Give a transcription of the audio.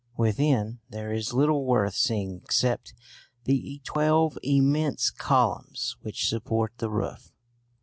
Within, there is little worth seeing except the twelve immense columns which support the roof.